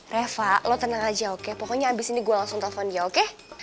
reva lo tenang aja oke pokoknya abis ini gue langsung telepon dia oke